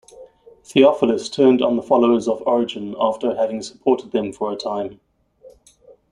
Theophilus turned on the followers of Origen after having supported them for a time.